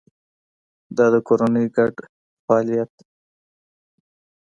دا د کورنۍ ګډ فعالیت دی.